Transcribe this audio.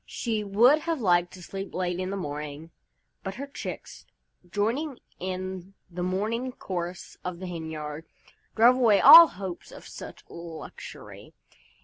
She would have liked to sleep late in the morning, but her chicks, joining in the morning chorus of the hen yard, drove away all hopes of such a luxury.